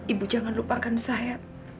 ibu jangan lupakan saya